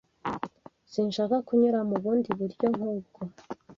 Sinshaka kunyura mu bundi buryo nkubwo.